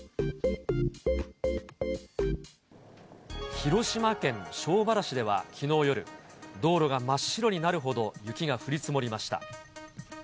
広島県庄原市ではきのう夜、道路が真っ白になるほど雪が降り積もりました。